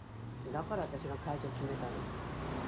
だから私が会場を決めたの。